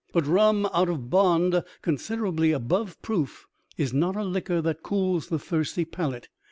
But rum out of bond considerably above proof is not a liquor that cools the thirsty palate.